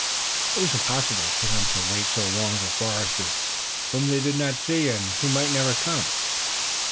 It was impossible for them to wait so long for foresters whom they did not see and who might never come.